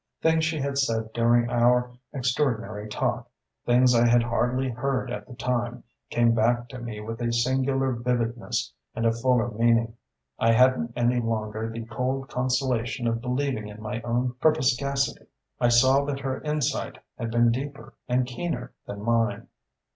Things she had said during our extraordinary talk, things I had hardly heard at the time, came back to me with singular vividness and a fuller meaning. I hadn't any longer the cold consolation of believing in my own perspicacity: I saw that her insight had been deeper and keener than mine.